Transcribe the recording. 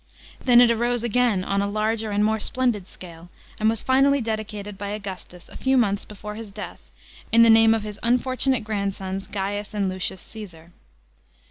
Then it arose as; am on a larger and more splendid scale, and was finally dedicated by Augustus a few ni' nths before his death, in the name of his unfortunate grandsons Gains and Lucius Caesar.